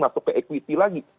masuk ke equity lagi